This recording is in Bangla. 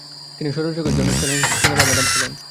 তিনি স্বৈরশাসকের জন্য সেলেস্টিনা বা ম্যাডাম ছিলেন।